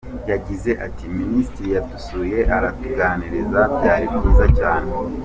Yagize ati “Minisitiri yadusuye aratuganiriza, byari byiza cyane.